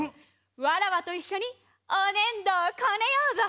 わらわといっしょにおねんどをコネようぞ！